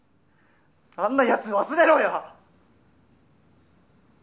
あんなやつ忘れろよ！